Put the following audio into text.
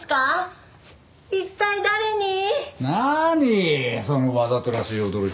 そのわざとらしい驚き方。